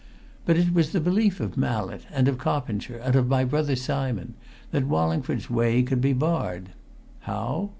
"But it was the belief of Mallett, and of Coppinger, and of my brother, Simon, that Wallingford's way could be barred. How?